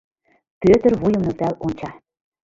Пӧтыр вуйым нӧлтал онча.